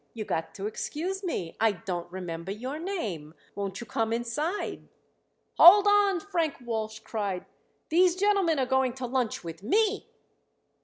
"You got to excuse me. I don't remember your name. Won't you come inside?" "Hold on!" Frank Walsh cried. "These gentlemen are going to lunch with me."